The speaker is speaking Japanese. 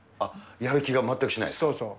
やる気が全くしないとか。